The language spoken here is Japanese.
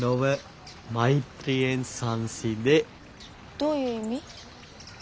どういう意味？